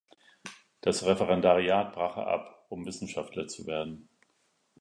Das Referendariat brach er ab, um Wissenschaftler zu werden.